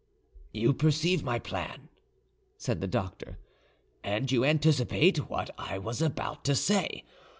"You perceive my plan," said the doctor, "and you anticipate what I was about to say.